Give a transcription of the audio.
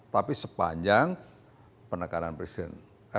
tapi sepanjang penekanan presiden